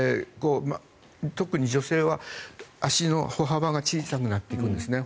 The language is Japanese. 特に女性は足の歩幅が小さくなっていくんですね。